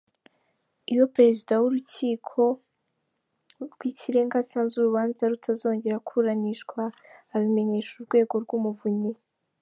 Iyo Perezida w’Urukiko rw’Ikirenga asanze urubanza rutazongera kuburanishwa abimenyesha Urwego rw’Umuvunyi.